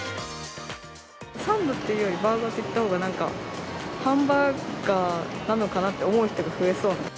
サンドっていうより、バーガーっていったほうが、なんかハンバーガーなのかなって思う人が増えそう。